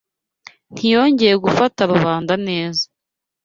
Ntiyongeye gufata rubanda neza.